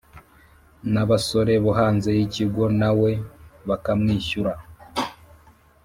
Nabasore bo hanze y’ikigo na we bakamwishyura.